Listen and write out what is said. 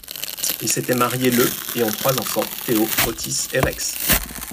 Ils s'étaient mariés le et ont trois enfants, Theo, Otis et Rex.